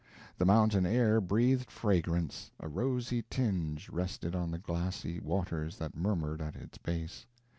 The mountain air breathed fragrance a rosy tinge rested on the glassy waters that murmured at its base.